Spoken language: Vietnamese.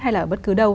hay là ở bất cứ đâu